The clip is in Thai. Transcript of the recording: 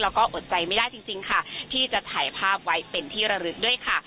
แล้วก็อดใจไม่ได้จริงค่ะที่จะถ่ายภาพไว้เป็นที่ระลึกด้วยค่ะ